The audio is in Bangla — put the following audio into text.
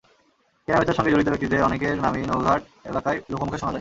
কেনাবেচার সঙ্গে জড়িত ব্যক্তিদের অনেকের নামই নৌঘাট এলাকায় লোকমুখে শোনা যায়।